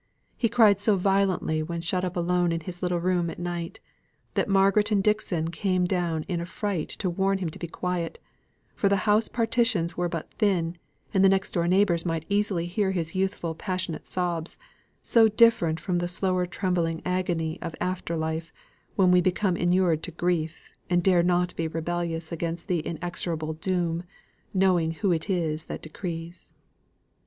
He cried so violently when shut up in his little room at night, that Margaret and Dixon came down in affright to warn him to be quiet: for the house partitions were but thin, and the next door neighbours might easily hear his youthful passionate sobs, so different from the slower trembling agony of after life, when we become inured to grief, and dare not be rebellious against the inexorable doom, knowing who it is that decrees.